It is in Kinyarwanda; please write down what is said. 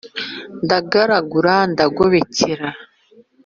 ndagaragura, ndagobekera,